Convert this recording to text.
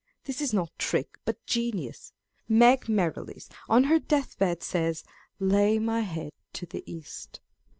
This is not trick, but genius. Meg Merrilies on her death bed says, "Lay my head to the East!"